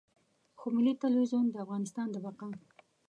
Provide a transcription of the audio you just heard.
خو ملي ټلویزیون د افغانستان د بقا.